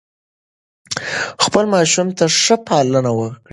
خپل ماشوم ته ښه پالنه ورکوي.